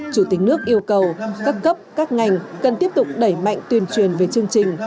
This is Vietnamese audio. chủ tịch nước yêu cầu các cấp các ngành cần tiếp tục đẩy mạnh tuyên truyền về chương trình